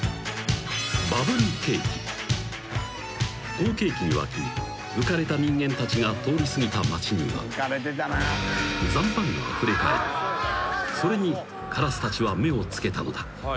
［好景気に沸き浮かれた人間たちが通り過ぎた街には残飯があふれかえりそれにカラスたちは目を付けたのだ］